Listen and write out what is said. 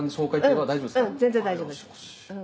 うん全然大丈夫。